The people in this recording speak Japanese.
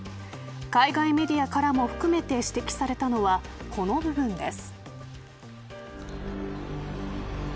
海外メディアからも含めて指摘されたのはこの部分です。